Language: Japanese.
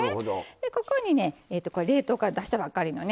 ここにね冷凍から出したばっかりのね。